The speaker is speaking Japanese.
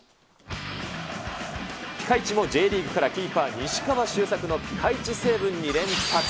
ピカイチもＪリーグから、キーパー、西川周作のピカイチセーブ２連発。